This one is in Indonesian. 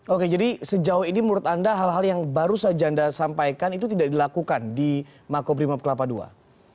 oke jadi sejauh ini menurut anda hal hal yang baru saja anda sampaikan itu tidak dilakukan di makobrimob kelapa ii